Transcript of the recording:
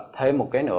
thêm một cái nữa